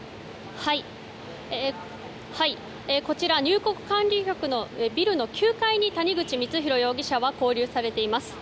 こちら入国管理局のビルの９階に谷口光弘容疑者は勾留されています。